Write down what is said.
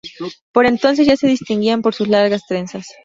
Por entonces, ya se distinguía por sus largas trenzas.